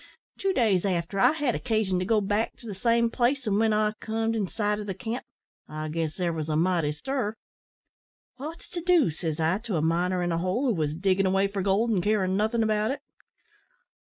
Two days after, I had occasion to go back to the same place, an' when I comed in sight o' the camp, I guess there was a mighty stir. "`Wot's to do?' says I to a miner in a hole, who wos diggin' away for gold, and carin' nothin' about it.